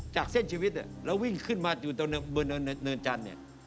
จากเส้นชีวิตแล้ววิ่งขึ้นมาอยู่ตรงเนินจันทร์เนี่ย